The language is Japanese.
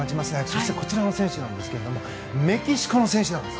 そして、こちらの選手ですがメキシコの選手なんです。